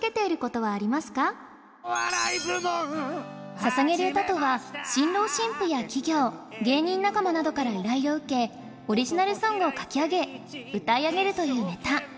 「捧げる歌」とは新郎新婦や企業芸人仲間などから依頼を受けオリジナルソングを書き上げ歌い上げるというネタ